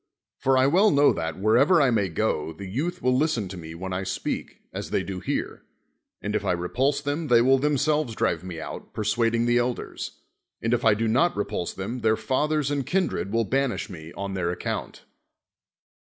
For I well know that, wherever I may go, the youth will listen to me when I speak, as they do here. And if I repulse them they will themselves drive me out, persuading the elders; and if I do not re pulse them, their fathers and kindred will ban ish me on their account.